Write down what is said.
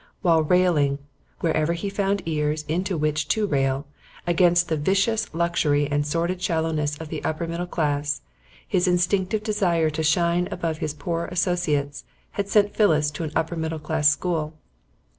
While railing, wherever he found ears into which to rail, against the vicious luxury and sordid shallowness of the upper middle classes, his instinctive desire to shine above his poorer associates had sent Phyllis to an upper middle class school.